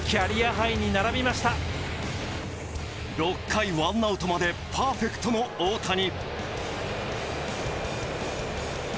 ６回１アウトまでパーフェクトの大谷。